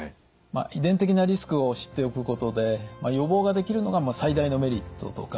遺伝的なリスクを知っておくことで予防ができるのが最大のメリットと考えています。